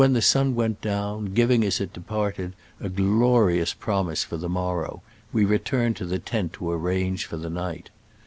the sun went down, giving, as it depart ed, a glorious promise for the morrow, we returned to the tent to arrange for the night.